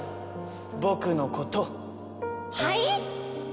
僕のことはい？